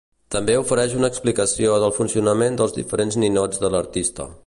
També ofereix una explicació del funcionament dels diferents ninots de l'artista.